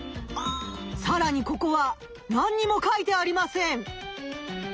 さらにここはなんにも書いてありません。